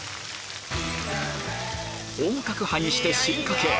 本格派にして進化系